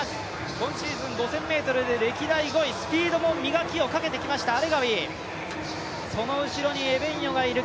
今シーズン５０００ｍで歴代５位、スピードも磨きをかけてきましたアレガウィ、その後ろにエベンヨがいる。